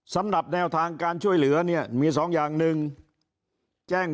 สำหรับแนวทางการช่วยเหลือเนี่ยมีสองอย่างหนึ่งแจ้ง